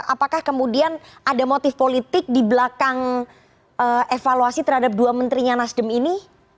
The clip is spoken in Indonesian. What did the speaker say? apakah kemudian ada motif politik di belakang evaluasi terhadap dua menterinya nasdem ini